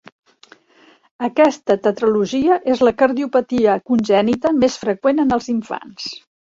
Aquesta tetralogia és la cardiopatia congènita més freqüent en els infants.